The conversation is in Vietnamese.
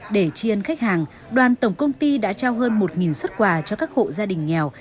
để chiên khách hàng đoàn tổng công ty đã trao hơn một xuất quà cho các hộ gia đình nghèo